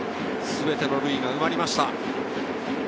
全ての塁が埋まりました。